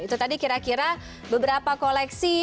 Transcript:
itu tadi kira kira beberapa koleksi